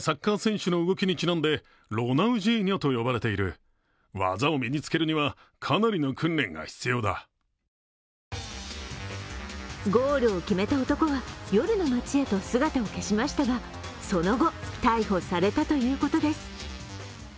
映像を確認した地元の警察はゴールを決めた男は夜の街へと姿を消しましたがその後、逮捕されたということです